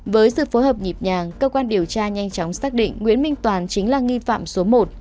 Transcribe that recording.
với sự phối hợp nhịp nhàng cơ quan điều tra nhanh chóng xác định nguyễn minh toàn chính là nghi phạm số một